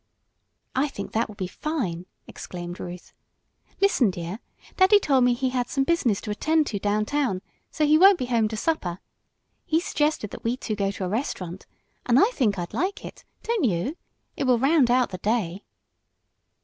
"I think that will be fine!" exclaimed Ruth. "Listen, dear, daddy told me he had some business to attend to downtown, so he won't be home to supper. He suggested that we two go to a restaurant, and I think I'd like it don't you? It will round out the day!"